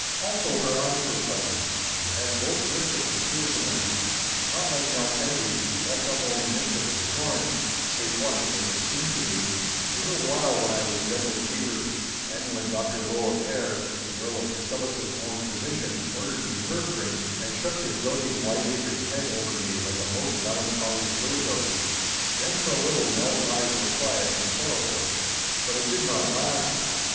Also her eyes were pleasant, and had both mischief and tears in them—not like Nell Kennedy's, that held only mischief and scorn—save once, as it seemed to me, a little while when I was deadly fevered, and when Dr Low of Ayr, the Earl of Cassillis's own physician, ordered me herb drinks, and shook his doting wiseacre's head over me like a most melancholious billy goat. Then for a little Nell's eyes were quiet and sorrowful. But it did not last.